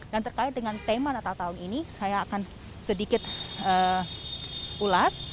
dan terkait dengan tema natal tahun ini saya akan sedikit ulas